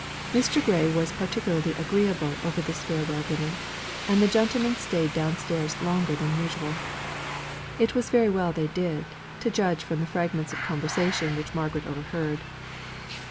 Mr. Grey was particularly agreeable over this farewell dinner, and the gentlemen staid downstairs longer than usual. It was very well they did to judge from the fragments of conversation which Margaret overheard.